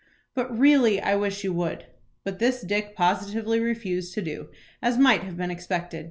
"But really I wish you would." But this Dick positively refused to do, as might have been expected.